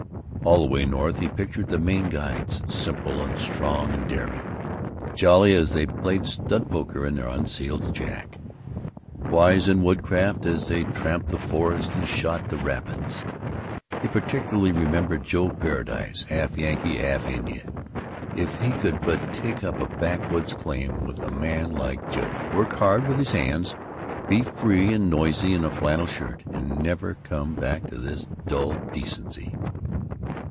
All the way north he pictured the Maine guides: simple and strong and daring, jolly as they played stud poker in their unceiled shack, wise in woodcraft as they tramped the forest and shot the rapids. He particularly remembered Joe Paradise, half Yankee, half Indian. If he could but take up a backwoods claim with a man like Joe, work hard with his hands, be free and noisy in a flannel shirt, and never come back to this dull decency!